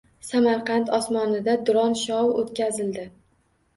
Samarqand osmonida dron-shou o‘tkazildi